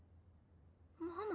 ママ。